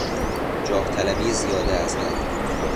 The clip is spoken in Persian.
جاهطلبی زیاده از حد